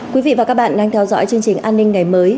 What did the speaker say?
quý vị và các bạn đang theo dõi chương trình an ninh ngày mới